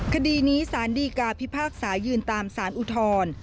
คดีนี้สารดีกาพิพากษายืนตามสารอุทธร